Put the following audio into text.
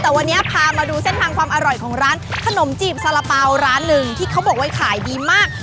แต่วันนี้พามาดูเส้นทางความอร่อยของร้านขนมจีบสารเป๋าร้านหนึ่งที่เขาบอกว่าขายดีมาก